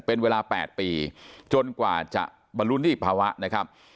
เป็นเวลา๘ปีจนกว่าจะบรรลุนิภาวะนะครับ